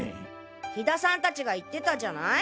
火田さん達が言ってたじゃない。